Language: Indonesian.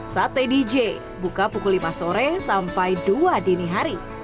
sate dj buka pukul lima sore sampai dua dini hari